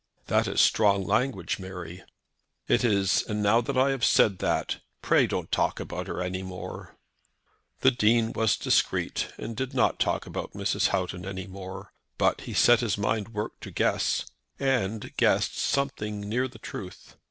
"That is strong language, Mary." "It is. And now that I have said that, pray don't talk about her any more." The Dean was discreet, and did not talk about Mrs. Houghton any more; but he set his mind to work to guess, and guessed something near the truth.